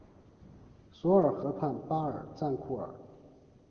索尔河畔巴尔赞库尔。